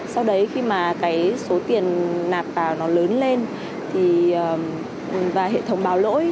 sau đấy khi mà cái số tiền nạp vào nó lớn lên và hệ thống báo lỗi